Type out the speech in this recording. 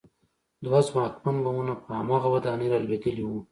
دوه ځواکمن بمونه په هماغه ودانۍ رالوېدلي وو